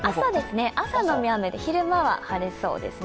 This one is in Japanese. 朝のみ雨で昼間は晴れそうです。